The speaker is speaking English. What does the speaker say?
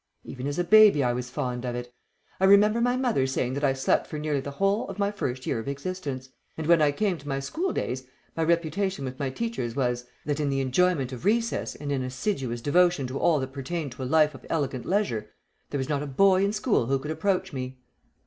"Even as a baby I was fond of it. I remember my mother saying that I slept for nearly the whole of my first year of existence, and when I came to my school days my reputation with my teachers was, that in the enjoyment of recess and in assiduous devotion to all that pertained to a life of elegant leisure, there was not a boy in school who could approach me."